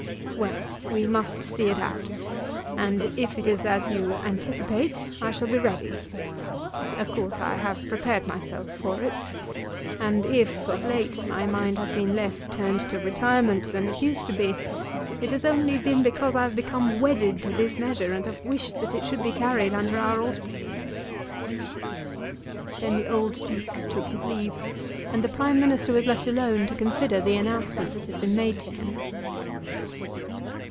Well; we must see it out, and if it is as you anticipate, I shall be ready. Of course I have prepared myself for it. And if, of late, my mind has been less turned to retirement than it used to be, it has only been because I have become wedded to this measure, and have wished that it should be carried under our auspices." Then the old Duke took his leave, and the Prime Minister was left alone to consider the announcement that had been made to him.